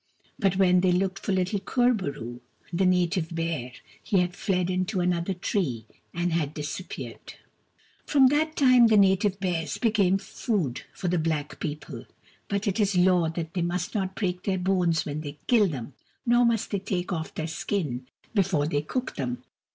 But when they looked for little Kur bo roo, the Native Bear, he had fled into another tree, and had disappeared. From that time, the Native Bears became food for the black people. But it is law that they must not break their bones when they kill them, nor must they take off their skin before they cook them.